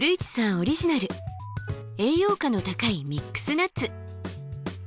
オリジナル栄養価の高いミックスナッツ。